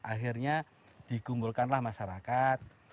akhirnya dikumpulkanlah masyarakat